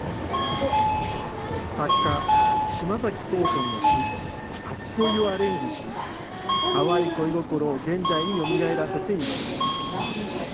作家、島崎藤村の詩、初恋をアレンジし、淡い恋心を現代によみがえらせています。